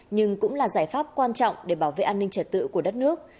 nhưng cũng là giải pháp quan trọng để bảo vệ an ninh trật tự của đất nước